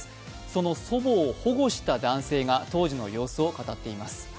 その祖母を保護した男性が当時の様子を語っています。